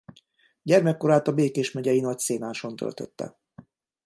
Gyermekkorát a békés megyei Nagyszénáson töltötte.